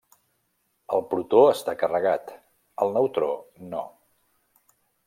El protó està carregat, el neutró no.